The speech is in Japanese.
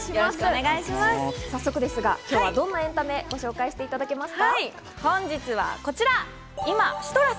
今日はどんなエンタメをご紹介していただけますか？